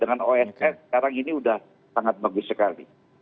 dengan oss sekarang ini sudah sangat bagus sekali